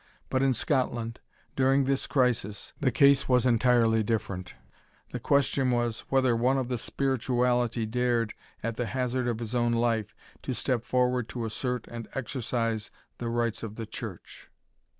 But in Scotland, during this crisis, the case was entirely different. The question was, whether one of the spirituality dared, at the hazard of his own life, to step forward to assert and exercise the rights of the church.